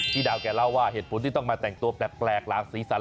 ดาวแกเล่าว่าเหตุผลที่ต้องมาแต่งตัวแปลกหลากสีสัน